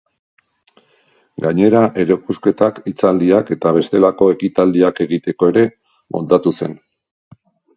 Gainera, erakusketak, hitzaldiak eta bestelako ekitaldiak egiteko ere moldatu zen.